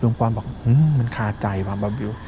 ลุงปรอนบอกมันคาใจวะบอวิว